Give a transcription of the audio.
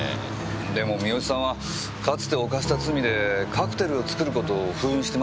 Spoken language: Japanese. でも三好さんはかつて犯した罪でカクテルを作る事を封印してます。